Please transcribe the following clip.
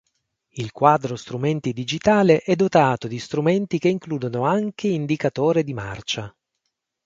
Il quadro strumenti digitale è dotato di strumenti che includono anche indicatore di marcia.